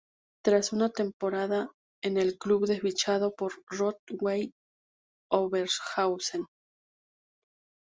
Tras una temporada en el club, fue fichado por el Rot-Weiß Oberhausen.